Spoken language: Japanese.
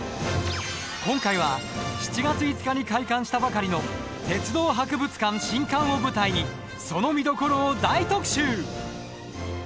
今回は７月５日に開館したばかりの鉄道博物館新館を舞台にその見どころを大特集！